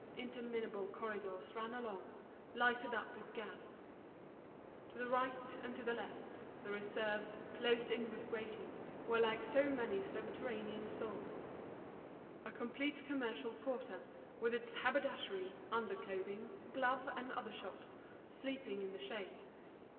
Interminable corridors ran along, lighted up with gas; to the right and to the left, the reserves, closed in with gratings, were like so many subterranean stores, a complete commercial quarter, with its haberdashery, underclothing, glove, and other shops, sleeping in the shade.